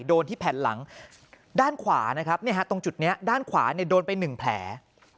โดนที่แผ่นหลังด้านขวานะครับตรงจุดนี้ด้านขวาโดนไป๑แผล